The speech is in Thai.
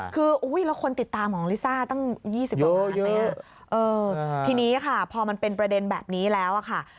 คือแล้วคนติดตามของลิซ่าตั้ง๒๐กว่าล้านไหมทีนี้ค่ะพอมันเป็นประเด็นแบบนี้แล้วอะค่ะ